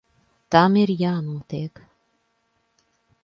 Tam ir jānotiek.